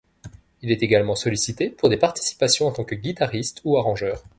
Il est également sollicité pour des participations en tant que guitariste ou arrangeur.